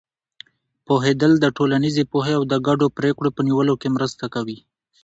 پوهېدل د ټولنیزې پوهې او د ګډو پرېکړو په نیولو کې مرسته کوي.